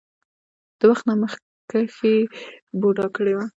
د وخت نه مخکښې بوډا کړے وۀ ـ